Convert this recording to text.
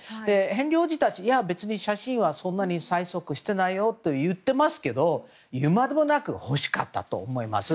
ヘンリー王子たちは別に写真はそんなに催促してないよと言っていますけどいうまでもなく欲しかったと思います。